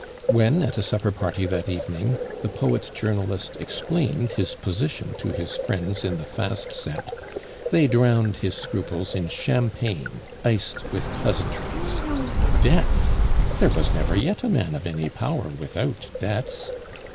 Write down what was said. When, at a supper party that evening, the poet journalist explained his position to his friends in the fast set, they drowned his scruples in champagne, iced with pleasantries. Debts! There was never yet a man of any power without debts!